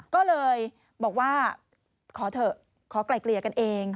ก็เลยบอกว่าขอเถอะขอไกลเกลี่ยกันเอง